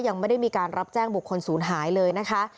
ยังไม่ได้มีการรับแจ้งบุคคลศูนย์หายเลยนะคะ